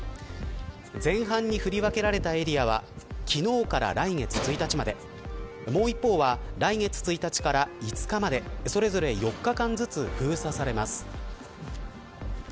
前半に振り分けられたエリアは昨日から来月１日までもう一方は来月１日から５日までそれぞれ４日間ずつ封鎖されます。